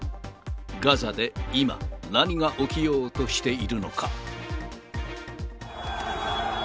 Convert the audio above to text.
ガザで今、何が起きようとしているのか。